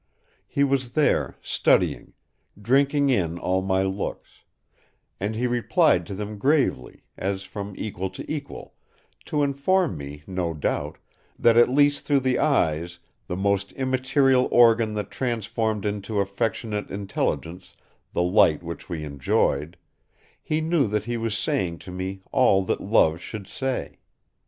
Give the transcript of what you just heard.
He was there, studying, drinking in all my looks; and he replied to them gravely, as from equal to equal, to inform me, no doubt, that, at least through the eyes the most immaterial organ that transformed into affectionate intelligence the light which we enjoyed, he knew that he was saying to me all that love should say.